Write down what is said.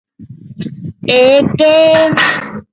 Anime conventions have long and varied worldwide history.